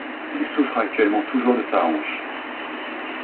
Il souffre actuellement toujours de sa hanche.